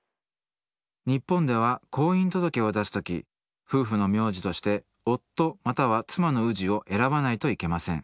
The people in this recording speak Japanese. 日本では婚姻届を出す時夫婦の名字として「夫または妻の氏」を選ばないといけません。